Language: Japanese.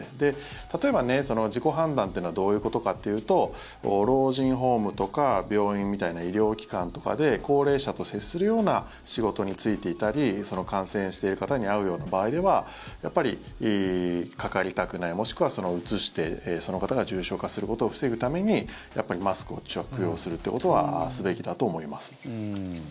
例えば、自己判断ってのはどういうことかっていうと老人ホームとか病院みたいな医療機関とかで高齢者と接するような仕事に就いていたり感染している方に会うような場合ではやっぱり、かかりたくないもしくは、うつしてその方が重症化することを防ぐためにマスクを着用するってことはすべきだと思います。